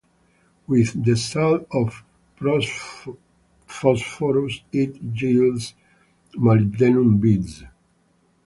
With the salt of phosphorus, it yields molybdenum beads.